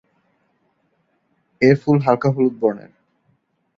এর ফুল হালকা হলুদ বর্ণের।